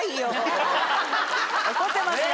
怒ってますよ。